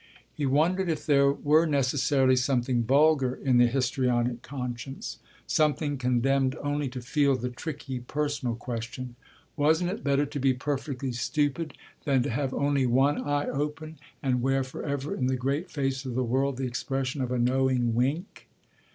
He wondered if there were necessarily something vulgar in the histrionic conscience something condemned only to feel the tricky, personal question. Wasn't it better to be perfectly stupid than to have only one eye open and wear for ever in the great face of the world the expression of a knowing wink?